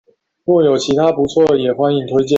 若有其他不錯的也歡迎推薦